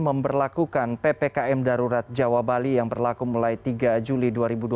memperlakukan ppkm darurat jawa bali yang berlaku mulai tiga juli dua ribu dua puluh